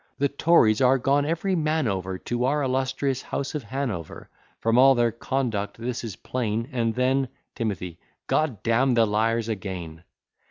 The Tories are gone every man over To our illustrious house of Hanover; From all their conduct this is plain; And then T. G d d n the liars again!